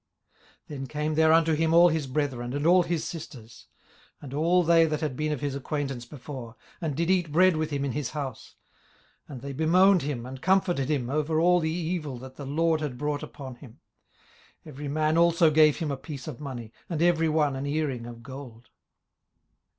18:042:011 Then came there unto him all his brethren, and all his sisters, and all they that had been of his acquaintance before, and did eat bread with him in his house: and they bemoaned him, and comforted him over all the evil that the LORD had brought upon him: every man also gave him a piece of money, and every one an earring of gold.